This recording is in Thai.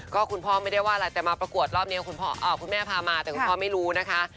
ก็คุณพ่อไม่ได้ว่าอะไรแต่มาประกวดรอบนี้คุณแม่พามาแต่คุณพ่อไม่รู้นะคะ